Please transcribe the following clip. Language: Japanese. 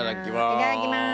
いただきます。